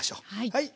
はい。